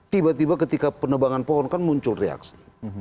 tiba tiba ketika penebangan pohon kan muncul reaksi